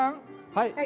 はい。